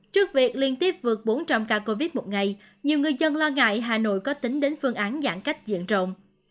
trước việc liên tiếp vượt bốn trăm linh ca covid một ngày nhiều người dân lo ngại hà nội có tính đến phương án giãn cách diện rộng